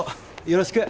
よろしく！